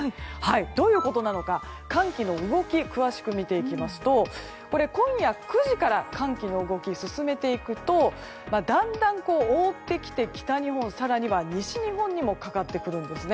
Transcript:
どういうことなのか寒気の動きを詳しく見ていきますと今夜９時から寒気の動きを進めていくとだんだん覆ってきて北日本、更には西日本にもかかってくるんですね。